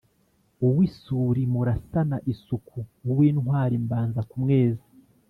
Uw’isuli murasana isuku, uw’intwali mbanza kumweza,